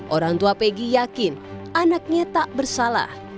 orang tua peggy yakin anaknya tak bersalah